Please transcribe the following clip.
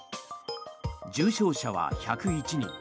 重症者は１０１人。